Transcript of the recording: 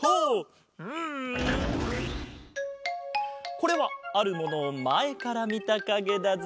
これはあるものをまえからみたかげだぞ。